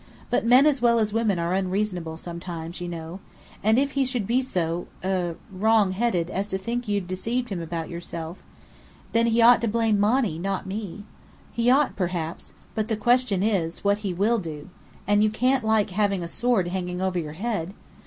"But men as well as women are unreasonable, sometimes, you know. And if he should be so er wrong headed as to think you'd deceived him about yourself " "Then he ought to blame Monny, not me!" "He ought, perhaps. But the question is, what he will do. And you can't like having a sword hanging over your head?